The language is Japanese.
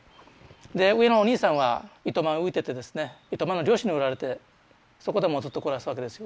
で上のお兄さんは糸満売りといってですね糸満の漁師に売られてそこでもうずっと暮らすわけですよ